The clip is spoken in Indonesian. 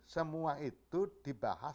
semua itu dibahas